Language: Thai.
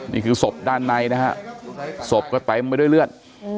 นี่คือศพด้านในนะฮะศพก็เต็มไปด้วยเลือด